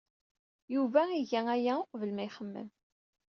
Yuba iga aya uqbel ma ixemmem.